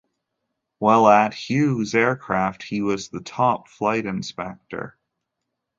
While at Hughes Aircraft he was the Top Flight Inspector.